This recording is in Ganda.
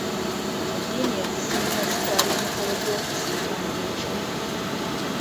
Eddiini ezisinga zitwala emikolo gy'okuziika nga kikulu.